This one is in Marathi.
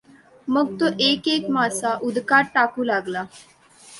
मग तो एक एक मासा उदकात टाकू लागला.